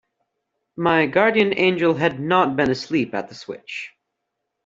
My guardian angel had not been asleep at the switch.